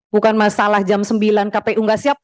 bukan masalah jam sembilan kpu nggak siap